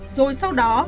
rồi sau đó